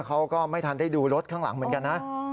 เขาก็ไม่ทันได้ดูรถข้างหลังเหมือนกันนะ